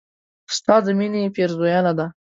ستا د مينې پيرزوينه ده